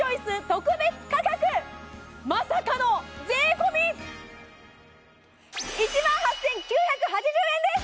特別価格まさかの税込１万８９８０円です！